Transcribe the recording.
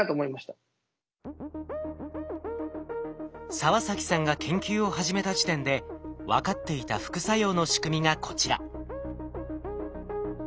澤崎さんが研究を始めた時点で分かっていた副作用の仕組みがこちら。